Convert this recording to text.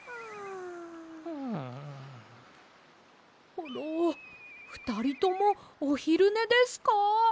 コロふたりともおひるねですか？